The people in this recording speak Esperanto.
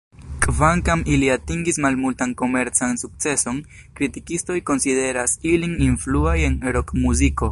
Kvankam ili atingis malmultan komercan sukceson, kritikistoj konsideras ilin influaj en rokmuziko.